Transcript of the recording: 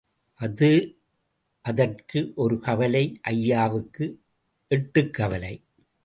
அது அதற்கு ஒரு கவலை ஐயாவுக்கு எட்டுக் கவலை.